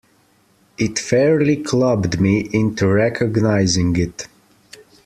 It fairly clubbed me into recognizing it.